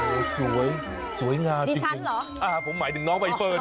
โอ้สวยสวยงามสิคุณอ่าผมหมายถึงน้องป่ายเฟิร์น